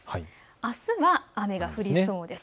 あすは雨が降りそうです。